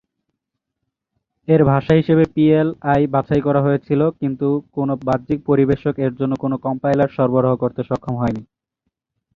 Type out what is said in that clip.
এর ভাষা হিসেবে পিএল/আই বাছাই করা হয়েছিল, কিন্তু কোন বাহ্যিক পরিবেশক এর জন্য কোন কম্পাইলার সরবরাহ করতে সক্ষম হয়নি।